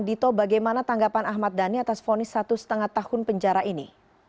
dito bagaimana tanggapan ahmad dhani atas vonis satu lima tahun penjara ini